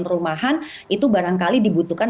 perumahan itu barangkali dibutuhkan